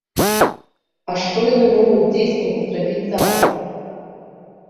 А што яны могуць дзейснага зрабіць зараз?